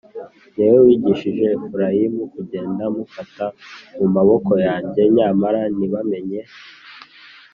jye wigishije Efurayimu kugenda mufata mu maboko yanjye nyamara ntibamenye